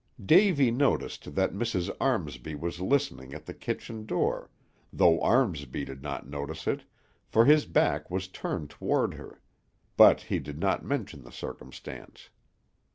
'" Davy noticed that Mrs. Armsby was listening at the kitchen door, though Armsby did not know it, for his back was turned toward her; but he did not mention the circumstance.